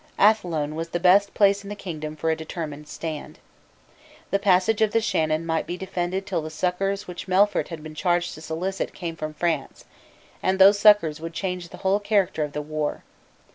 Athlone was the best place in the kingdom for a determined stand. The passage of the Shannon might be defended till the succours which Melfort had been charged to solicit came from France; and those succours would change the whole character of the war.